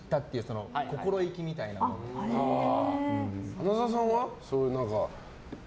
花澤さんは？